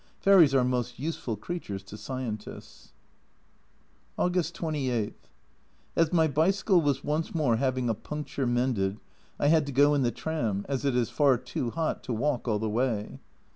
Fairies are most useful creatures to scientists ! August 28. As my bicycle was once more having a puncture mended, I had to go in the tram, as it is far too hot to walk all the way.